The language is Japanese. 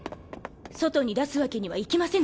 外に出すわけにはいきませぬ。